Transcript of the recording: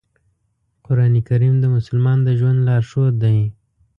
قرآن کریم د مسلمان د ژوند لارښود دی.